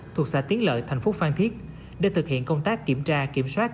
thuộc xã tiến lợi thành phố phan thiết để thực hiện công tác kiểm tra kiểm soát